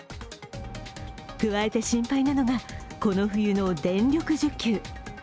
加えて心配なのが、この冬の電力需給。